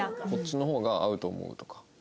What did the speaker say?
こっちの方が合うと思うとか。